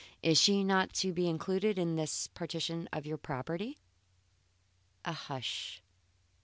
Is she not to be included in this partition of your property?" A hush.